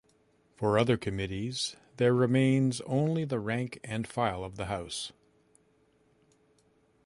For other committees there remains only the rank and file of the House.